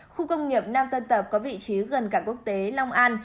khu công nghiệp nam tân tập có vị trí gần cảng quốc tế long an